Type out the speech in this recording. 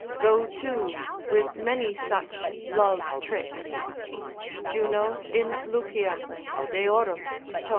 go to, with many such love tricks. Juno in Lucian deorum, tom.